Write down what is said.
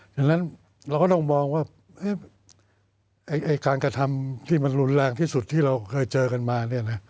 ฉะนั้นเราก็ต้องมองว่าการกระทำที่มันรุนแรงที่สุดที่เราเคยเจอกันมา